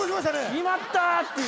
決まったっていう。